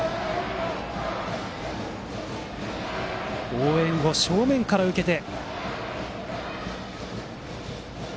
応援を正面から受けて。